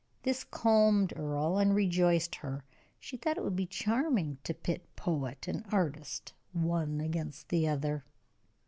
This calmed Earle, and rejoiced her. She thought it would be charming to pit poet and artist one against the other.